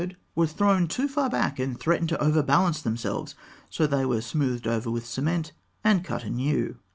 were thrown too far back, and threatened to overbalance themselves; so they were smoothed over with cement and cut anew.